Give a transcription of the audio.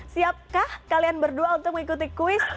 siapkah kalian berdua untuk mengikuti kuis